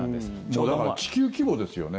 だから、地球規模ですよね。